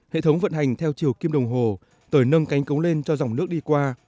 hệ thống vận hành theo chiều kim đồng hồ tới nâng cánh cống lên cho dòng nước đi qua